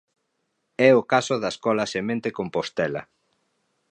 É o caso da escola Semente Compostela.